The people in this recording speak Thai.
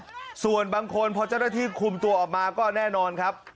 ส่วนบางคนพอเจ้าหน้าที่คุมตัวออกมาก็แน่นอนครับ